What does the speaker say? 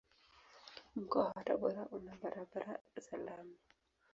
Mkoa wa Tabora una barabara za lami.